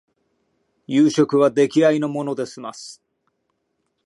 夕食は出来合いのもので済ます